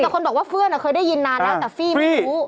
แต่คนบอกว่าเพื่อนเคยได้ยินนานแล้วแต่ฟี่ไม่รู้